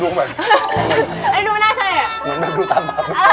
ทุกคนต้องเต้นแซมบ้านะครับ